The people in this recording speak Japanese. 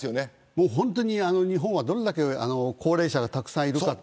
日本はどれだけ高齢者がたくさんいるか。